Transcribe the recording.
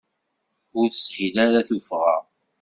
Ur teshil ara tuffɣa.